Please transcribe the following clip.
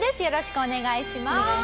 よろしくお願いします。